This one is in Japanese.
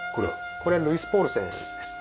これはルイスポールセンですね。